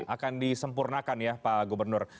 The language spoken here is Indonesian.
akan disempurnakan ya pak gubernur